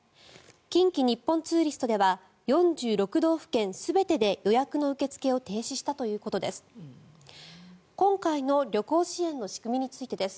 近畿日本ツーリストでは４６道府県全てで予約の受け付けを停止したということです。